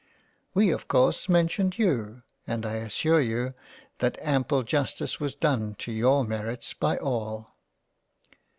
We of course mentioned you, and I assure you that ample Justice was done to your Merits by all.